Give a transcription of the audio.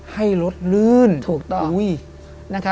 ให้รถลื่นถูกต้อง